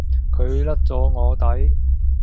佢甩左我底